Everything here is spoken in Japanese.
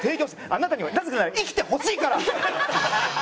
あなたにはなぜなら生きてほしいから！